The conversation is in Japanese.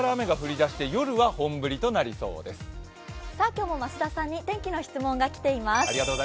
今日も増田さんに天気の質問が来ています。